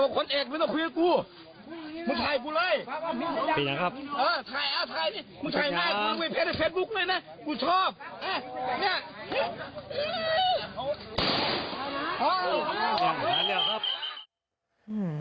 ก็อยากให้ไป